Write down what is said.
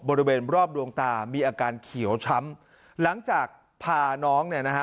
บริเวณรอบดวงตามีอาการเขียวช้ำหลังจากพาน้องเนี่ยนะฮะ